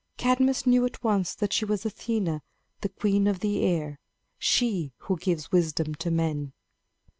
Cadmus knew at once that she was Athena, the queen of the air she who gives wisdom to men.